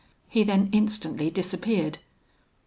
He then instantly disappeared.